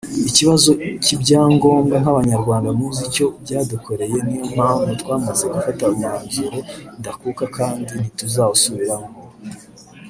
Ikibazo cy’ibyangombwa nk’abanyarwanda muzi icyo byadukoreye niyo mpamvu twamaze gufata umwanzuro ndakuka kandi ntituzawusubiraho